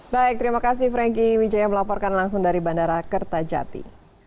baik terima kasih franky wijaya melaporkan langsung dari bandara kertajati